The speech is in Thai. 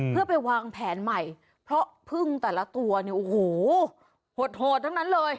เพื่อไปวางแผนใหม่เพราะพึ่งแต่ละตัวเนี่ยโอ้โหโหดทั้งนั้นเลย